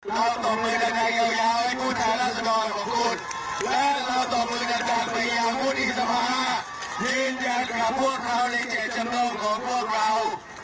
คุณทางพญาพุทธอิสรภาพยืนยันกับพวกเขาในเจตรจันทรกของพวกเรา